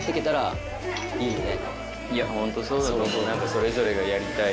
それぞれがやりたい